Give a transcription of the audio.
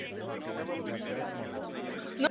Nació en Kent.